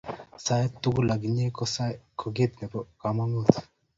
sait tugul ak inye ko kit nebo kamangut